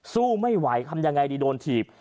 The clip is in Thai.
สู้ไม่ไหวทำยังไงดีโดนถีบ